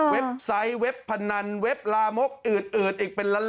เว็บไซต์เว็บพนันเว็บลาหมกเอืดเป็นล้าน